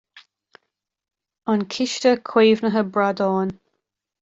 An Ciste Caomhnaithe Bradán.